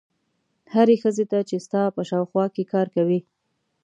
هرې ښځې ته چې ستا په شاوخوا کې کار کوي.